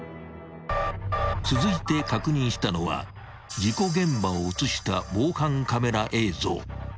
［続いて確認したのは事故現場を写した防犯カメラ映像］